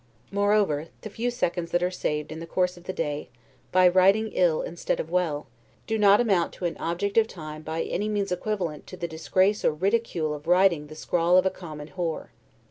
Moreover, the few seconds that are saved in the course of the day, by writing ill instead of well, do not amount to an object of time by any means equivalent to the disgrace or ridicule of writing the scrawl of a common whore.